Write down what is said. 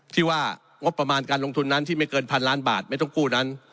ที่ว่างบประมาณการลงทุนนั้นที่ไม่เกินพันล้านบาทไม่ต้องกู้นั้น